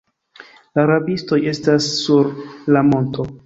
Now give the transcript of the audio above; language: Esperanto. La rabistoj estas sur la monto.